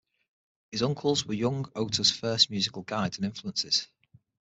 His uncles were young Otar's first musical guides and influences.